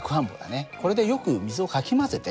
これでよく水をかき混ぜて。